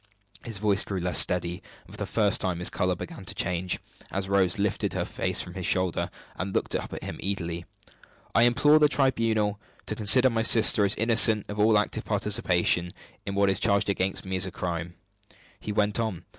His voice grew less steady, and, for the first time, his color began to change, as Rose lifted her face from his shoulder and looked up at him eagerly. "I implore the tribunal to consider my sister as innocent of all active participation in what is charged against me as a crime " He went on.